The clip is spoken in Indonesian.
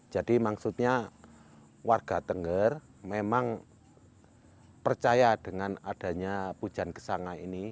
jadi maksudnya warga tengger memang percaya dengan adanya pujian kesangai ini